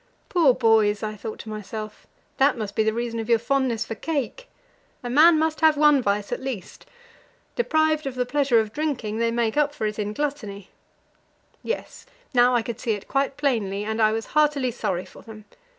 "Poor boys!" I thought to myself; "that must be the reason of your fondness for cake. A man must have one vice, at least. Deprived of the pleasure of drinking, they make up for it in gluttony." Yes, now I could see it quite plainly, and I was heartily sorry for them.